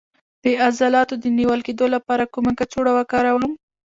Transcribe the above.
د عضلاتو د نیول کیدو لپاره کومه کڅوړه وکاروم؟